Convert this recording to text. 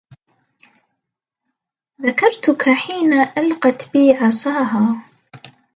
ذكرتك حين ألقت بي عصاها